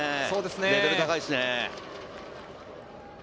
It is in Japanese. レベルが高いですね。